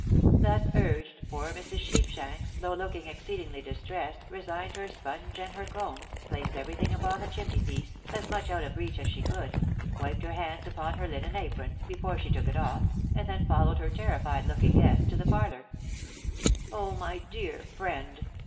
Thus urged, poor Mrs. Sheepshanks, though looking exceed ingly distressed, resigned her sponge and her combs, placed everything upon the chimney piece, as much out of reach aa she could — wiped her hands upon her Hnen apron, before she took it off, and then followed her terrified looking guest to the parlour. " Oh, my dear friend